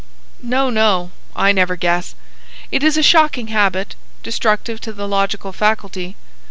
"No, no: I never guess. It is a shocking habit,—destructive to the logical faculty.